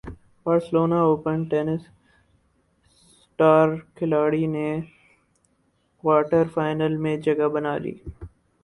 Barcelona open tennis star کھلاڑی نے quarter final میں جگہ بنا لی